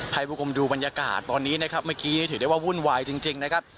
ให้ผู้ชมดูบรรยากาศตอนนี้นะครับเมื่อกี้นี่ถือได้ว่าวุ่นวายจริงนะครับ